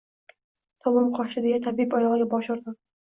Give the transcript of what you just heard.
Tobim qochdi deya tabib oyogʼiga bosh urdim.